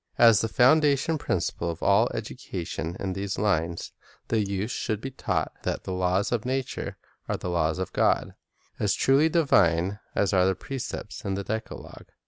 As the foundation principle of all education in these lines, the youth should be taught that the laws of nature are the laws of God, — as truly divine as are the precepts of the decalogue.